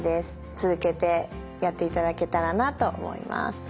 続けてやっていただけたらなと思います。